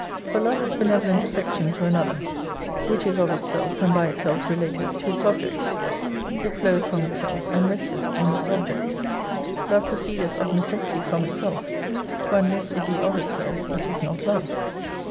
For love is benevolent affection to another : Which is of itself, and by itself relateth to its object. It floweth from itself and resteth in its object. Love proceedeth of necessity from itself, for unless it be of itself it is not Love.